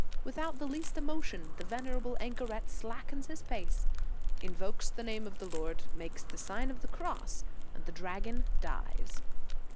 Without the least emotion, the venerable anchoret slackens his pace, invokes the name of the Lord, makes the Sign of the Cross, and the dragon dies.